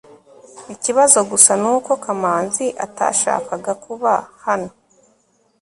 ikibazo gusa nuko kamanzi atashakaga kuba hano